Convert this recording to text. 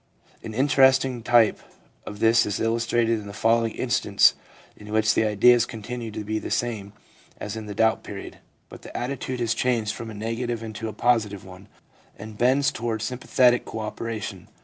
An interesting type of this is illustrated in the following instance in which the ideas continue to be the same as in the doubt period, but the attitude has changed from a negative into a positive one, and bends toward sympathetic co operation.